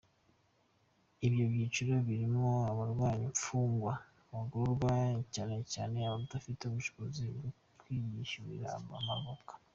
Ibyo byiciro birimo abarwaye, imfungwa n’abagororwa, cyane cyane abadafite ubushobozi bwo kwiyishyurira abavoka.